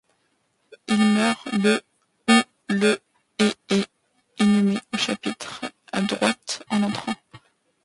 Il meurt le ou le et est inhumé au chapitre, à droite en entrant.